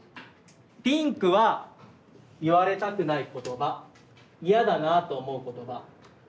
ピンクは言われたくない言葉嫌だなあと思う言葉。